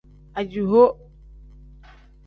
Ajihoo.